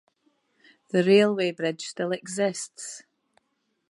The railway bridge still exists.